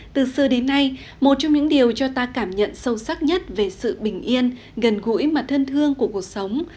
từ xưa đến nay một trong những điều cho ta cảm nhận sâu sắc nhất về sự bình yên gần gũi mà thân thương của cuộc sống